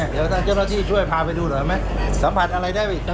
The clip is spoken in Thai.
คุณต้องไปคุยกับทางเจ้าหน้าที่เขาหน่อย